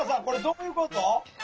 これどういうこと？